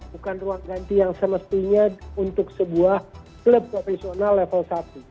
bukan ruang ganti yang semestinya untuk sebuah klub profesional level satu